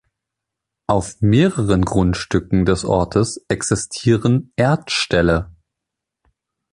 Auf mehreren Grundstücken des Ortes existieren Erdställe.